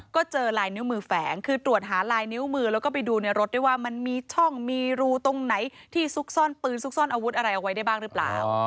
ก็เจอลายนิ้วมือแฝงคือตรวจหาลายนิ้วมือแล้วก็ไปดูในรถด้วยว่ามันมีช่องมีรูตรงไหนที่ซุกซ่อนปืนซุกซ่อนอาวุธอะไรเอาไว้ได้บ้างหรือเปล่า